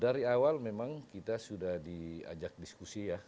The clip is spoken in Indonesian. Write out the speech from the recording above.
dari awal memang kita sudah diajak diskusi ya